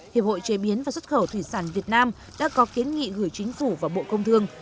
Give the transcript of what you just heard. hiệp hội chế biến và xuất khẩu thủy sản việt nam đã có kiến nghị gửi chính phủ và bộ công thương